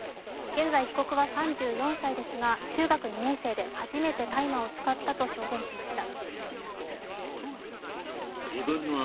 現在被告は３４歳ですが中学２年生で初めて大麻を使ったと証言しました。